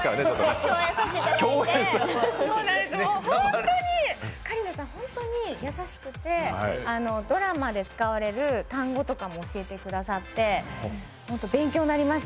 共演させていただいて、香里奈さんホントに優しくてドラマで使われる単語とかも教えてくださって勉強になりました、